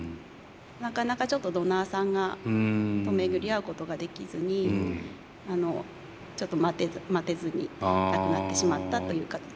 なかなかちょっとドナーさんと巡り会うことができずにちょっと待てずに亡くなってしまったという形。